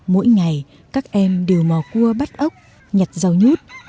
mỗi ngày các em đều mò cua bắt ốc nhặt rau nhút